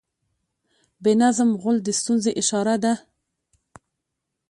بې نظم غول د ستونزې اشاره ده.